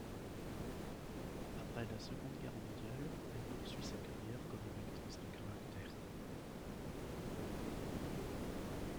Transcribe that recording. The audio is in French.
Après la Seconde Guerre mondiale, elle poursuit sa carrière comme une actrice de caractère.